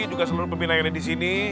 juga seluruh pembina yang ada di sini